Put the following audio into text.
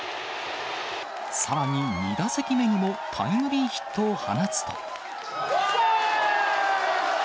さらに２打席目にもタイムリーヒットを放つと。